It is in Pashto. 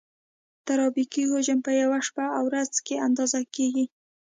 ترافیکي حجم په یوه شپه او ورځ کې اندازه کیږي